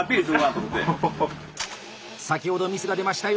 先ほどミスが出ました